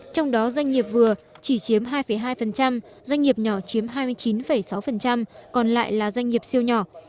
trong đó doanh nghiệp vừa chỉ chiếm hai hai doanh nghiệp nhỏ chiếm hai mươi chín sáu còn lại là doanh nghiệp siêu nhỏ